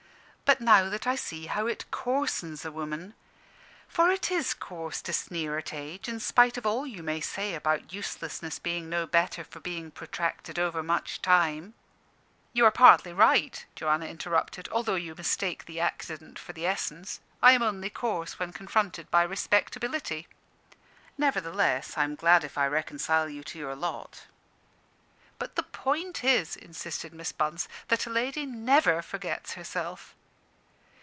But now that I see how it coarsens a women for it is coarse to sneer at age, in spite of all you may say about uselessness being no better for being protracted over much time " "You are partly right," Joanna interrupted, "although you mistake the accident for the essence. I am only coarse when confronted by respectability. Nevertheless, I am glad if I reconcile you to your lot." "But the point is," insisted Miss Bunce, "that a lady never forgets herself."